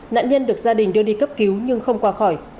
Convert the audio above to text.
nạn nhân được gia đình đưa đi cấp cứu nhưng không qua khỏi